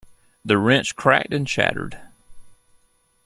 The wrench cracked and shattered.